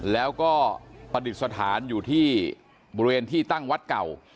แล้วก็ประดิษฐานอยู่ที่บริเวณที่ตั้งวัดเก่า